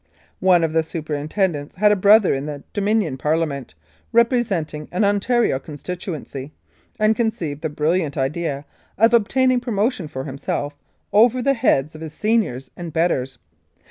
One of the superintendents had a brother in the Dominion Parliament, representing an Ontario con stituency, and conceived the brilliant idea of obtaining promotion for himself over the heads of his seniors and betters.